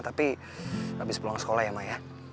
tapi abis pulang sekolah ya ma ya